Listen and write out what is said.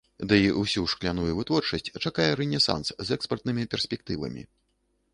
Дый усю шкляную вытворчасць чакае рэнесанс з экспартнымі перспектывамі.